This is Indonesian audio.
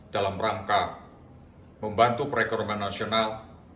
dalam rangka membantu perekonomian nasional